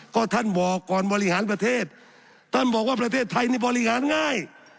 ก็ท่านบอกก่อนบริหารประเทศท่านบอกว่าประเทศไทยนี่บริหารง่าย